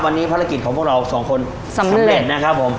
วันนี้ภารกิจของพวกเราสองคนสำเร็จนะครับผม